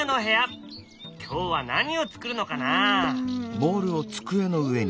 今日は何を作るのかな？